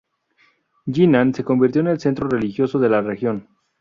Jinan se convirtió en el centro religioso de la región.